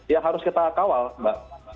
ya harus kita kawal mbak